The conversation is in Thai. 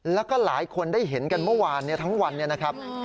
แล้วก็หลายคนได้เห็นกันเมื่อวานทั้งวันเนี่ยนะครับ